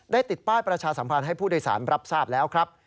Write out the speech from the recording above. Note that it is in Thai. ติดป้ายประชาสัมพันธ์ให้ผู้โดยสารรับทราบแล้วครับ